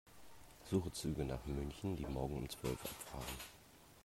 Suche Züge nach München, die morgen um zwölf Uhr abfahren.